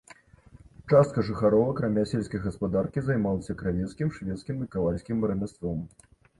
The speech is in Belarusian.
Частка жыхароў, акрамя сельскай гаспадаркі, займалася кравецкім, швецкім і кавальскім рамяством.